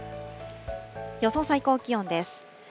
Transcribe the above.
予想最高気温です。